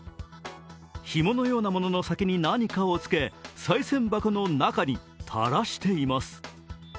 ひものようなものの先に何かをつけさい銭箱の中に垂らしています。